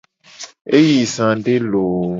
E yi zade loo.